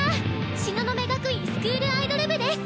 東雲学院スクールアイドル部です！